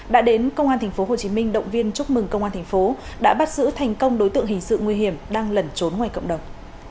đã đến công an tp hcm động viên chúc mừng công an thành phố đã bắt giữ thành công đối tượng hình sự nguy hiểm đang lẩn trốn ngoài cộng đồng